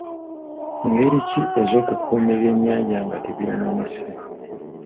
Ngeri ki ez'okukuumamu ebyennyanja nga tebyonoonese?